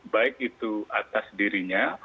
baik itu atas dirinya